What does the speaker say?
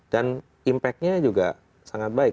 dan impactnya juga sangat baik